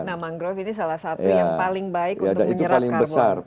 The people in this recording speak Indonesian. nah mangrove ini salah satu yang paling baik